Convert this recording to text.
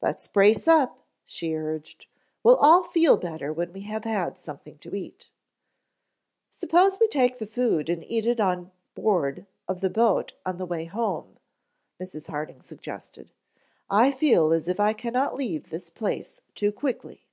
"Let's brace up," she urged. "We'll all feel better when we have had something to eat." "Suppose we take the food and eat it on board the boat on the way home," Mrs. Harding suggested. "I feel as if I cannot leave this place too quickly."